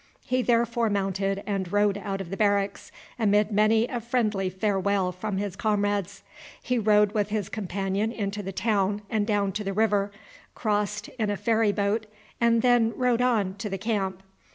He therefore mounted and rode out of the barracks, amid many a friendly farewell from his comrades. He rode with his companion into the town and down to the river, crossed in a ferry boat, and then rode on to the camp.